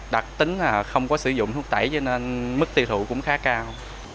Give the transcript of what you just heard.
đặc tính là không có sử dụng thuốc tẩy cho nên mức tiêu thụ cũng khá cao